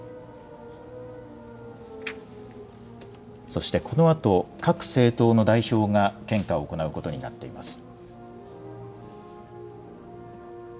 そしてこのあと、各政党の代表が献花を行うことになっています。